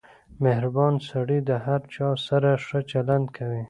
• مهربان سړی د هر چا سره ښه چلند کوي.